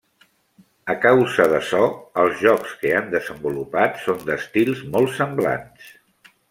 A causa d'açò, els jocs que han desenvolupat són d'estils molt semblants.